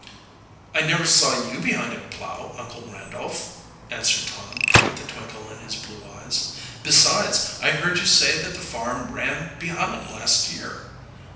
"I never saw you behind a plow, Uncle Randolph," answered Tom, with a twinkle in his blue eyes. "Besides, I heard you say that the farm ran behind last year."